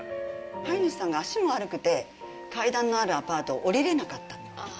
飼い主さんが足が悪くて、階段のあるアパートを下りれなかったと。